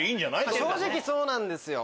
正直そうなんですよ。